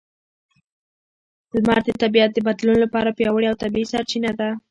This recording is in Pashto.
لمر د طبیعت د بدلون لپاره پیاوړې او طبیعي سرچینه ده.